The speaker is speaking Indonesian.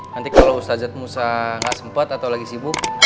nanti kalau ustazah musa gak sempat atau lagi sibuk